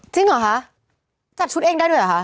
เหรอคะจัดชุดเองได้ด้วยเหรอคะ